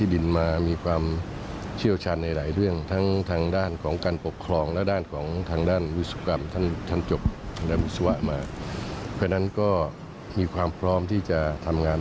ดูแบบของการทำงาน